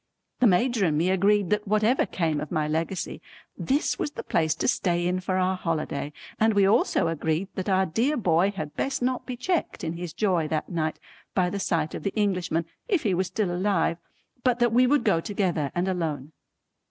The Major and me agreed that whatever came of my Legacy this was the place to stay in for our holiday, and we also agreed that our dear boy had best not be checked in his joy that night by the sight of the Englishman if he was still alive, but that we would go together and alone.